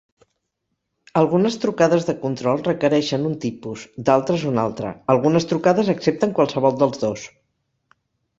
Algunes trucades de control requereixen un tipus, d'altres un altre, algunes trucades accepten qualsevol dels dos.